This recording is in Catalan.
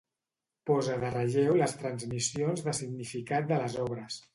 Posa de relleu les transmissions de significat de les obres.